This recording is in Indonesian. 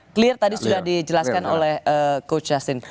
clear tadi sudah dijelaskan oleh coach justin